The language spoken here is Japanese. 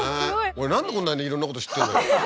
俺何でこんなにいろんなこと知ってるんだろう。